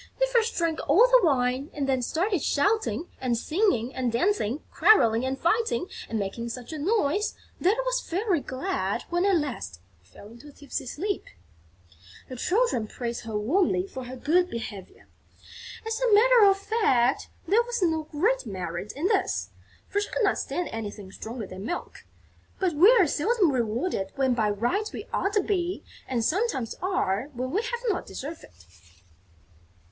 They first drank all the wine and then started shouting and singing and dancing, quarrelling and fighting and making such a noise that I was very glad when, at last, they fell into a tipsy sleep." The children praised her warmly for her good behaviour. As a matter of fact, there was no great merit in this, for she could not stand anything stronger than milk; but we are seldom rewarded when by rights we ought to be and sometimes are when we have not deserved it.